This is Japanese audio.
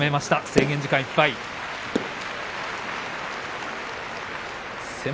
制限時間がいっぱいです。